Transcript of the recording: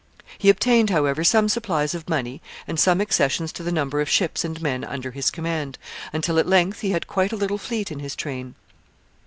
He obtained, however, some supplies of money and some accessions to the number of ships and men under his command, until at length he had quite a little fleet in his train.